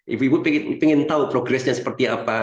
ibu ibu pengen tahu progresnya seperti apa